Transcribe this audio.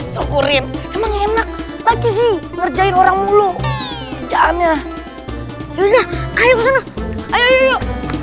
sokurin emang enak lagi sih ngerjain orang mulu jahannya yuk ayo ayo